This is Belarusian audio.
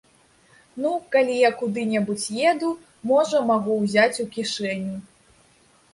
Ну, калі я куды-небудзь еду, можа, магу ўзяць у кішэню.